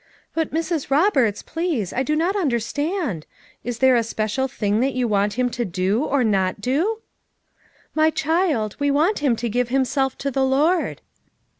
"But, Mrs. Roberts, please, I do not under stand. Is there a special thing that you want him to do, or not do?" 338 FOUR MOTHERS AT CHAUTAUQUA "My child, we want him to give himself to the Lord."